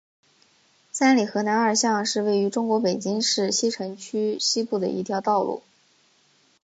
三里河南二巷是位于中国北京市西城区西部的一条道路。